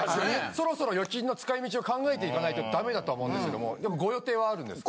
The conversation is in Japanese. そろそろ預金の使い道を考えていかないとダメだとは思うんですけどもご予定はあるんですか？